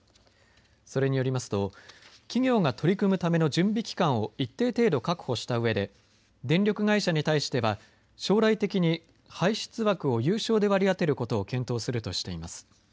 それによりますと、企業が取り組むための準備期間を一定程度確保したうえで、電力会社に対しては、将来的に排出枠を有償で割り当てることを検討するとしています。